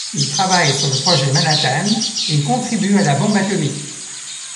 Il travaille sur le projet Manhattan et contribue à la bombe atomique.